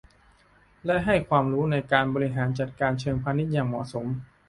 และให้ความรู้ในการบริหารจัดการเชิงพาณิชย์อย่างเหมาะสม